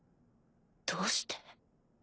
どうして。